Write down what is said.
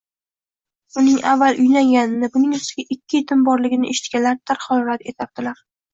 Uning avval uylanganini, buning ustiga ikki yetimi borligini eshitganlar darhol rad etardilar.